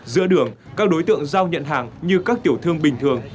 giữa đường các đối tượng giao nhận hàng như các tiểu thương bình thường